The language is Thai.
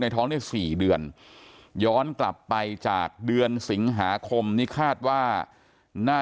ท้องได้๔เดือนย้อนกลับไปจากเดือนสิงหาคมนี่คาดว่าน่า